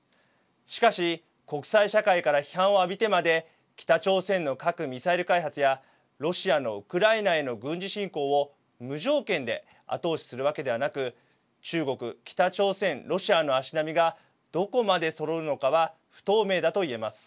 しかし国際社会から批判を浴びてまで北朝鮮の核・ミサイル開発やロシアのウクライナへの軍事侵攻を無条件で後押しするわけではなく中国、北朝鮮、ロシアの足並みがどこまでそろうのかは不透明だといえます。